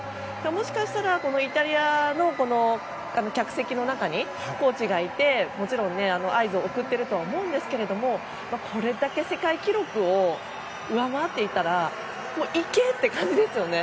もしかしたら、このイタリアの客席の中にコーチがいてもちろん合図を送ってると思うんですけどこれだけ世界記録を上回っていたら行け！って感じですよね。